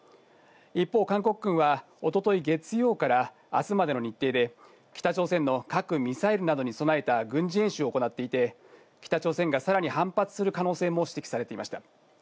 一方、韓国軍はおととい月曜からあすまでの日程で、北朝鮮の核・ミサイルなどに備えた軍事演習を行っていて、北朝鮮がさらに反発する可能性も指摘されていました。